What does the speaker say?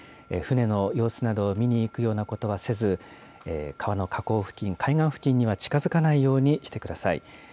船の様子などを見に行くようなことはせず、川の河口付近、海岸付近には近づかないようにしてください。